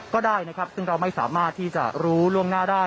ก็ได้ที่เราไม่สามารถที่จะรู้ได้